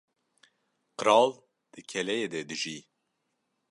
Qral di keleyê de dijî.